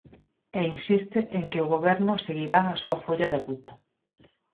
E insiste en que o Goberno seguirá a súa folla de ruta.